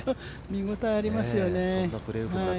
見応えありますよね。